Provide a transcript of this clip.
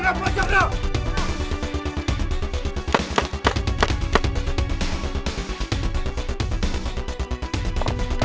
tahan jangan jangan